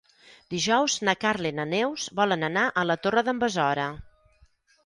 Dijous na Carla i na Neus volen anar a la Torre d'en Besora.